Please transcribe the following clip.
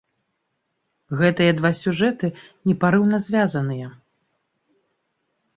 Гэтыя два сюжэты непарыўна звязаныя.